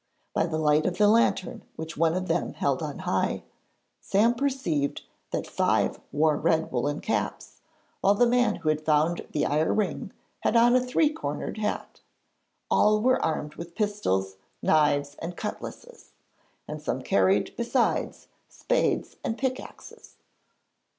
By the light of the lantern which one of them held on high, Sam perceived that five wore red woollen caps, while the man who had found the iron ring had on a three cornered hat. All were armed with pistols, knives, and cutlasses, and some carried, besides, spades and pickaxes.